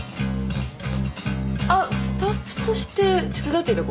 あっスタッフとして手伝っていた子？